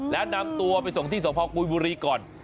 แล้วนำตัวไปส่งที่สวมพร้อมกุยบุรีก่อน